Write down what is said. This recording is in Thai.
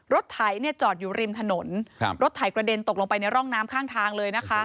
ไถเนี่ยจอดอยู่ริมถนนรถไถกระเด็นตกลงไปในร่องน้ำข้างทางเลยนะคะ